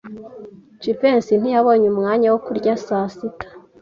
Jivency ntiyabonye umwanya wo kurya saa sita.